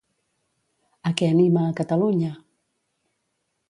A què anima a Catalunya?